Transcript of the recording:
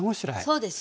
そうですね。